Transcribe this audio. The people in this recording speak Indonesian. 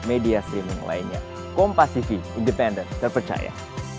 media streaming lainnya kompas tv independen terpercaya